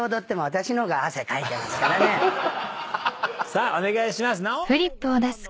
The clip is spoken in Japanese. さあお願いします。